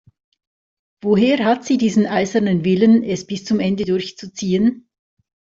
Woher hat sie diesen eisernen Willen, es bis zum Ende durchzuziehen?